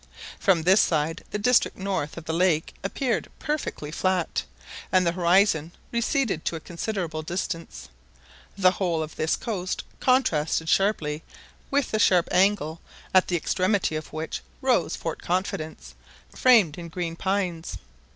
From this side the district north of the lake appeared perfectly flat, and the horizon receded to a considerable distance. The whole of this coast contrasted strongly with the sharp angle, at the extremity of which rose Fort Confidence, framed in green pines.